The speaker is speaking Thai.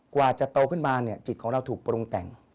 กว่าจะโตขึ้นมาเนี่ยจิตของเราถูกปรุงแต่ง